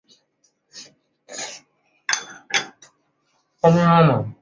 曾执教祖云达斯青年队及法甲阿雅克肖。